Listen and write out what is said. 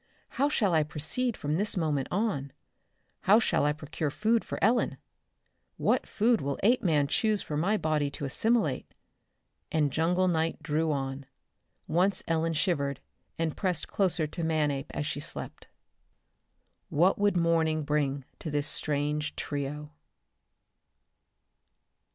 How shall I proceed from this moment on? How shall I procure food for Ellen? What food will Apeman choose for my body to assimilate? And jungle night drew on. Once Ellen shivered and pressed closer to Manape as she slept. What would morning bring to this strange trio?